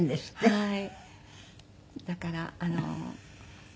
はい。